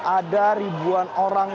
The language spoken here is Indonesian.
ada ribuan orang